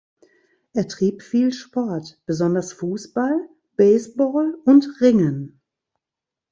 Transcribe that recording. Er trieb viel Sport, besonders Fußball, Baseball und Ringen.